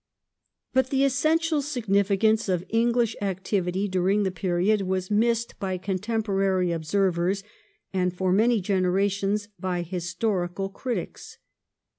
But the essential significance of English activity during this period was missed by contemporary observei s and, for many gener ations, by historical critics.